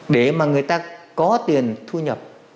để mà người ta có tiền thu nhập